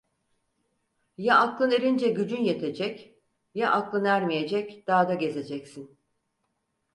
Ya aklın erince gücün yetecek, ya aklın ermeyecek dağda gezeceksin!